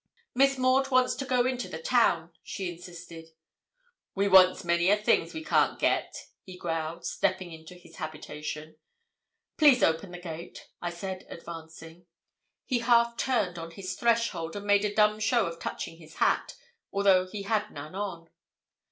'Miss Maud wants to go into the town,' she insisted. 'We wants many a thing we can't get,' he growled, stepping into his habitation. 'Please open the gate,' I said, advancing. He half turned on his threshold, and made a dumb show of touching his hat, although he had none on.